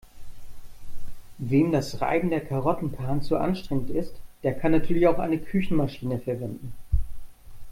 Wem das Reiben der Karotten per Hand zu anstrengend ist, der kann natürlich auch eine Küchenmaschine verwenden.